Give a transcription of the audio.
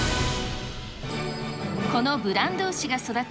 このブランド牛が育つ